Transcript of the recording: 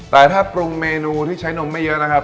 แต่ถ้าปรุงเมนูที่ใช้นมไม่เยอะนะครับ